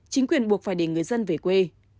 chính quyền buộc phải để người dân về quê